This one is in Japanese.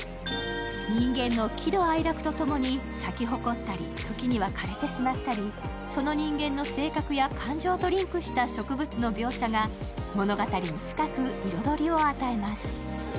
人間の喜怒哀楽とともに、咲き誇ったり、時には枯れてしまったり、その人間の感情とリンクした植物の描写が物語に深く彩りを与えます。